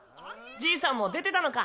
じいさんも出てたのか。